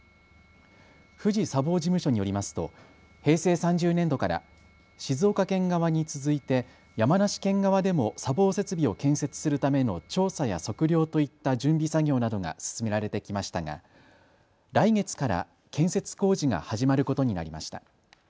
富士砂防事務所によりますと平成３０年度から静岡県側に続いて山梨県側でも砂防設備を建設するための調査や測量といった準備作業などが進められてきましたが来月から建設工事が始まることになりました。